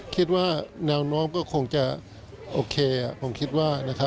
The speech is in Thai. คิดว่าแนวน้องก็คงจะโอเคอะผมคิดว่านะฮะ